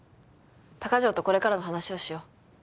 高城とこれからの話をしよう。